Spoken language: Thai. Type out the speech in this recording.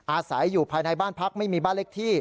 อาศัยอยู่ภายในบ้านพักไม่มีบ้านเลขที่